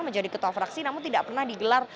menjadi ketua fraksi namun tidak pernah digelar